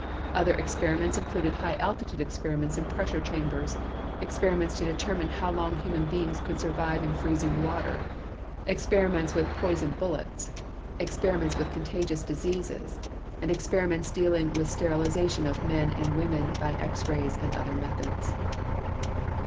Other experiments included high altitude experiments in pressure chambers, experiments to determine how long human beings could survive in freezing water, experiments with poison bullets, experiments with contagious diseases, and experiments dealing with sterilization of men and women by X rays and other methods.